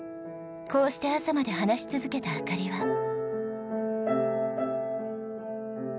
こうして朝まで話し続けた灯は。